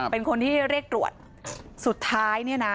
เป็นคนที่เรียกตรวจสุดท้ายเนี่ยนะ